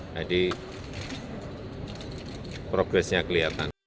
jadi progresnya kelihatan